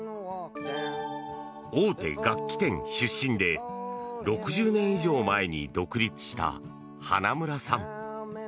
大手楽器店出身で６０年以上前に独立した花村さん。